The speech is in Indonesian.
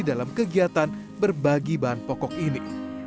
dalam kegiatan berbagi bahan pokok ini